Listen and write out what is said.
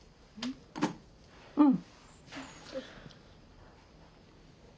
うん。